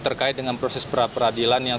terkait dengan proses peradilan yang